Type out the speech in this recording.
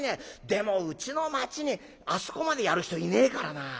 でもうちの町にあそこまでやる人いねえからな。